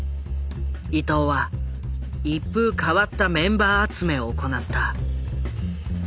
伊藤は一風変わったメンバー集めを行った。